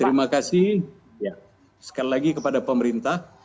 terima kasih sekali lagi kepada pemerintah